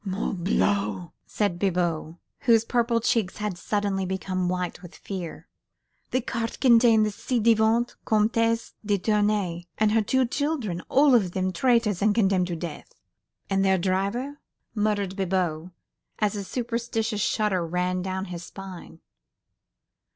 "Morbleu!" said Bibot, whose purple cheeks had suddenly become white with fear. "The cart contained the ci devant Comtesse de Tournay and her two children, all of them traitors and condemned to death." "And their driver?" muttered Bibot, as a superstitious shudder ran down his spine.